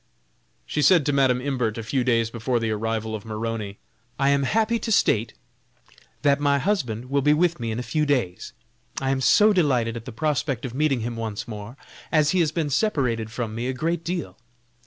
She said to Madam Imbert, a few days before the arrival of Maroney: "I am happy to state that my husband will be with me in a few days. I am so delighted at the prospect of meeting him once more, as he has been separated from me a great deal.